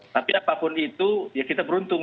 tapi apapun itu ya kita beruntung